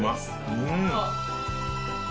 うん！